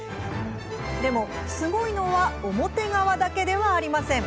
でも、すごいのは表側だけではありません。